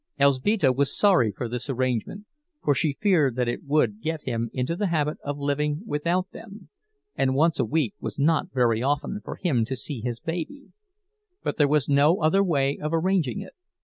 Elzbieta was sorry for this arrangement, for she feared that it would get him into the habit of living without them, and once a week was not very often for him to see his baby; but there was no other way of arranging it.